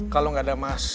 kalo gak ada mas